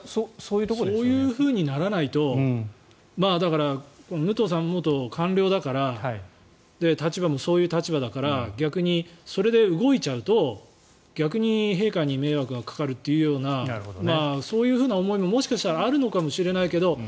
そういうふうにならないとだから、武藤さんは元官僚だから立場もそういう立場だから逆にそれで動いちゃうと逆に陛下に迷惑がかかるというようなそういうふうな思いももしかしたらあるのかもしれないけど